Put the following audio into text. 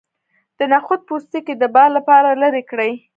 د نخود پوستکی د باد لپاره لرې کړئ